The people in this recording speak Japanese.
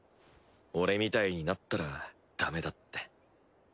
俺みたいになったらだめだって。